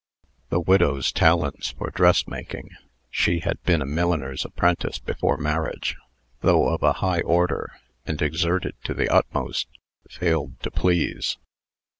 The widow's talent for dressmaking (she had been a milliner's apprentice before marriage), though of a high order, and exerted to the utmost, failed to please.